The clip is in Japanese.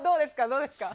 どうですか？